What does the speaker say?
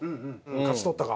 勝ち取ったか？